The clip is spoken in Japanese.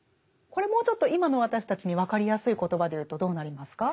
これもうちょっと今の私たちに分かりやすい言葉で言うとどうなりますか？